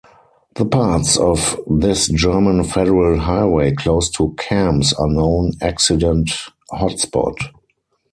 The parts of this German federal highway close to Cambs are known accident hotspot.